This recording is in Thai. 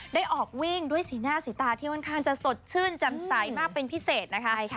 ได้ออกวิ่งด้วยสีหน้าสีตาที่มันกลางจะสดชื่นจำไซม์มากเป็นพิเศษนะคะใช่ค่ะ